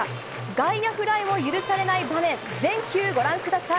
外野フライを許されない場面全球ご覧ください。